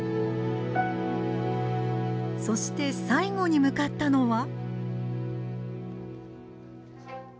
そして最後に向かったのは。